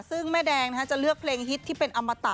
ซึ่งแม่แดงจะเลือกเพลงฮิตที่เป็นอมตะ